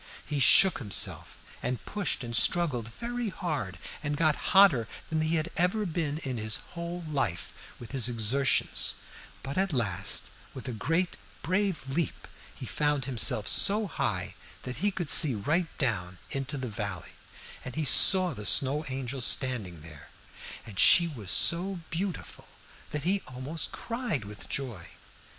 He shook himself, and pushed and struggled very hard, and got hotter than he had ever been in his whole life with his exertions, but at last, with a great brave leap, he found himself so high that he could see right down into the valley, and he saw the Snow Angel standing there, and she was so beautiful that he almost cried with joy.